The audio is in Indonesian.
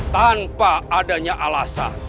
tanpa adanya alasan